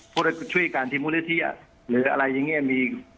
ก็ที่ช่วยการที่มูลเทียหรืออะไรอย่างนี้มี